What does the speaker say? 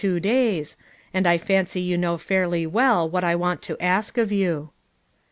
two daya, and I fanoy yon know fairly wall what I wanl to nnk of you.